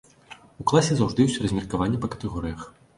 У класе заўжды ёсць размеркаванне па катэгорыях.